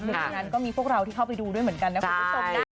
หนึ่งในนั้นก็มีพวกเราที่เข้าไปดูด้วยเหมือนกันนะคุณผู้ชมนะ